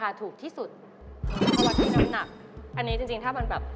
อันนี้จริงถ้ามันแบบ